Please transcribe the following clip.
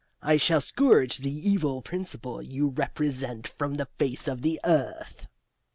I shall scourge the evil principle you represent from the face of the earth."